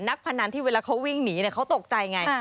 พนันที่เวลาเขาวิ่งหนีเขาตกใจไง